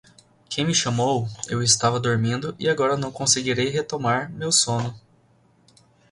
Quem me chamou, eu estava dormindo e agora não conseguirei retomar meu sono.